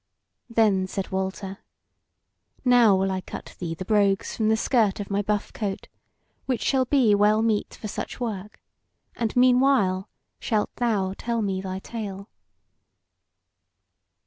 Then said Walter: "Now will I cut thee the brogues from the skirt of my buff coat, which shall be well meet for such work; and meanwhile shalt thou tell me thy tale."